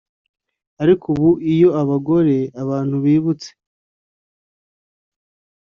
ariko ubu iyo abagore abantu bibutse